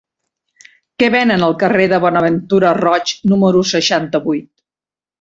Què venen al carrer de Bonaventura Roig número seixanta-vuit?